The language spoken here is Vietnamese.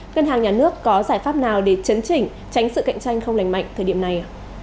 ngân hàng nhà nước có giải pháp nào để chấn chỉnh tránh sự cạnh tranh không lành mạnh thời điểm này